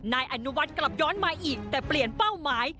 นายอนุวัฒน์กลับย้อนมาอีกแต่เปลี่ยนเป้าหมาย